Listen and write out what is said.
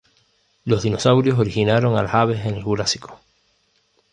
Los dinosaurios originaron a las aves en el Jurásico.